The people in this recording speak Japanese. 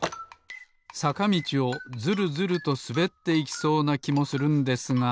さかみちをズルズルとすべっていきそうなきもするんですが。